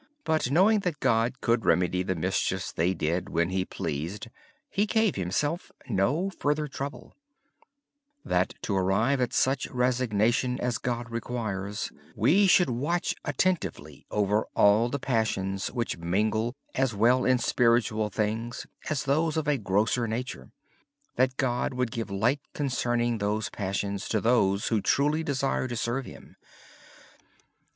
But knowing that God could remedy the mischief they did when He pleased, he gave himself no further trouble. Brother Lawrence said to arrive at such resignation as God requires, we should carefully watch over all the passions that mingle in spiritual as well as temporal things. God would give light concerning those passions to those who truly desire to serve Him.